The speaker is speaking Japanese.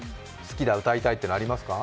歌いたいっていう歌はありますか？